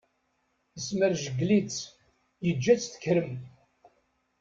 Yesmerjgel-itt, yeǧǧa-tt trekkem.